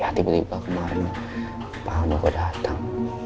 ya tiba tiba kemarin pak ambo kok datang